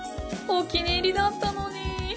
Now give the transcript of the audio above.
お気に入りだったのに。